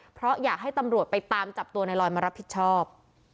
เพราะอยากให้ตำรวจไปตามจับตัวในลอยมารับผิดชอบ